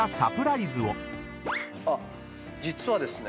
あっ実はですね